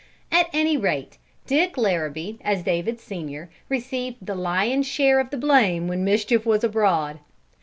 At any rate, Dick Larrabee, as David's senior, received the lion's share of the blame when mischief was abroad.